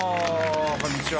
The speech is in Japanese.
こんにちは。